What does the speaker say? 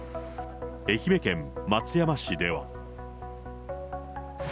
愛媛県松山市では。